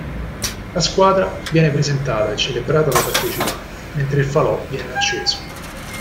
La squadra viene presentata e celebrata dai partecipanti, mentre il falò viene acceso.